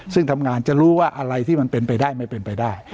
ซึ่งทำงานจะรู้ว่าอะไรที่มันเป็นไปได้ไม่เป็นไปได้